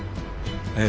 ええ。